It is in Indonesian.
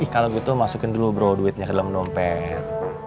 kalau gitu masukin dulu brow duitnya ke dalam dompet